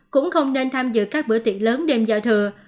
cũng không nên tham dự các bữa tiệc lớn đêm giao thừa